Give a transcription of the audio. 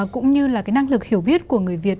cũng như là cái năng lực hiểu biết của người việt